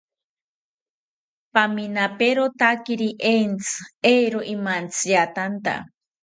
Paminaperotakiri entzi, eero imantziatanta